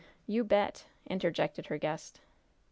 "You bet!" interjected her guest.